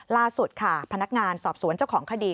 ล่าสุดค่ะพนักงานสอบสวนเจ้าของคดี